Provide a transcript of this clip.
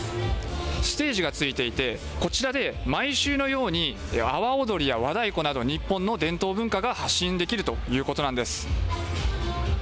ステージがついていて、こちらで毎週のように阿波踊りや和太鼓など日本の伝統文化が発信できるということなんです。